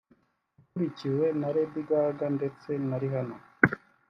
wakurikiwe na Lady Gaga ndetse na Rihanna